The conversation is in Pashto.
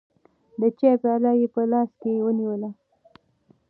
د چای پیاله یې په لاس کې ونیوله.